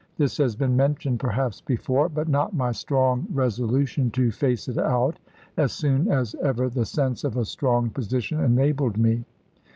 This has been mentioned perhaps before; but not my strong resolution to face it out, as soon as ever the sense of a strong position enabled me.